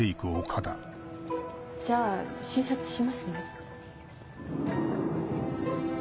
じゃあ診察しますね。